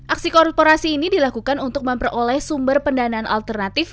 aksi korporasi ini dilakukan untuk memperoleh sumber pendanaan alternatif